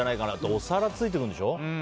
お皿もついてくるんでしょ。